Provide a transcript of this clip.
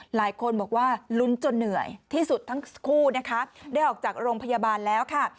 หลายคนบอกว่าลุ้นจนเหนื่อยที่สุดทั้งคู่นะคะได้ออกจากโรงพยาบาลแล้วค่ะ